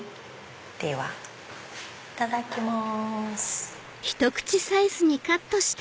ではいただきます。